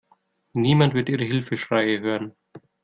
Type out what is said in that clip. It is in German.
Niemand wird Ihre Hilfeschreie hören.